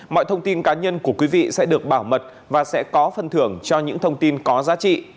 mọi thông tin cá nhân của quý vị sẽ được bảo mật và sẽ có phần thưởng cho những thông tin có giá trị